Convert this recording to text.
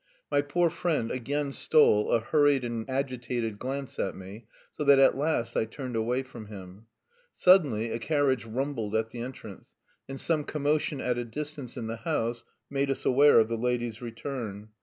My poor friend again stole a hurried and agitated glance at me, so that at last I turned away from him. Suddenly a carriage rumbled at the entrance, and some commotion at a distance in the house made us aware of the lady's return.